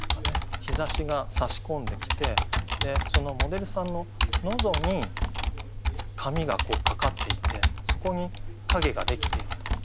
日ざしがさし込んできてそのモデルさんの喉に髪がかかっていてそこに影ができていると。